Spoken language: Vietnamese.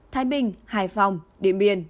thái bình hải phòng điện biên